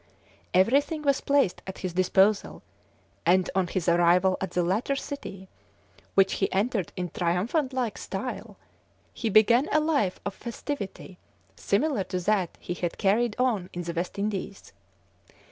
Everything was placed at his disposal, and, on his arrival at the latter city, which he entered in triumphant like style, he began a life of festivity similar to that he had carried on in the West Indies.